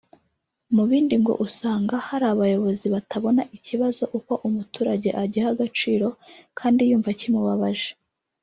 Mu bindi ngo usanga hari abayobozi batabona ikibazo uko umuturage agiha agaciro kandi yumva kimubabaje